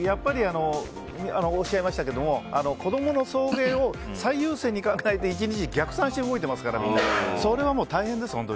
おっしゃいましたけど子供の送迎を最優先に考えて１日逆算して動いてますからそれはもう大変です。